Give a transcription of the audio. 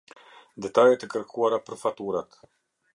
Detajet e kërkuara për faturat.